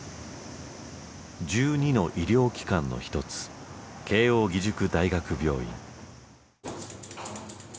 １２の医療機関の一つ慶應義塾大学病院。